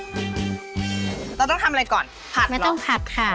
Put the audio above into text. เราต้องทำอะไรก่อนผัดหรือเปล่าโอเคเอากระเทียมมาลง